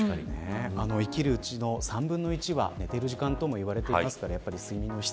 生きるうちの３分の１は寝ている時間ともいわれていますからやっぱり睡眠の質。